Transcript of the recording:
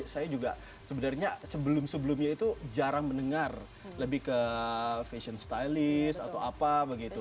saya juga sebenarnya sebelum sebelumnya itu jarang mendengar lebih ke fashion stylist atau apa begitu